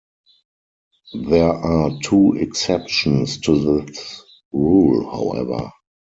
There are two exceptions to this rule, however.